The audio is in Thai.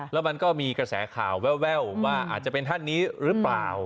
แล้วมันก็มีกระแสข่าวแววว่าอาจจะเป็นท่านนี้หรือเปล่า